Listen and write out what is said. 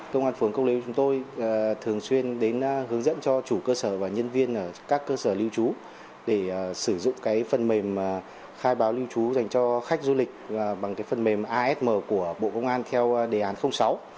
công an phường cốc lưu chúng tôi thường xuyên đến hướng dẫn cho chủ cơ sở và nhân viên ở các cơ sở lưu trú để sử dụng phần mềm khai báo lưu trú dành cho khách du lịch bằng phần mềm asm của bộ công an theo đề án sáu